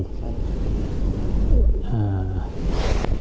ใช่